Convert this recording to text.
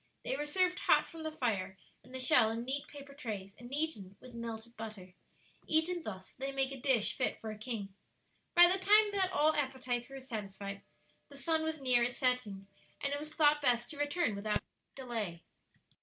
They were served hot from the fire and the shell, in neat paper trays, and eaten with melted butter. Eaten thus they make a dish fit for a king. By the time that all appetites were satisfied, the sun was near his setting, and it was thought best to return without delay.